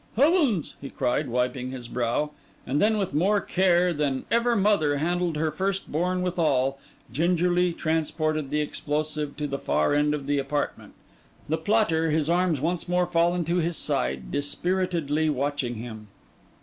'Heavens!' he cried, wiping his brow; and then with more care than ever mother handled her first born withal, gingerly transported the explosive to the far end of the apartment: the plotter, his arms once more fallen to his side, dispiritedly watching him.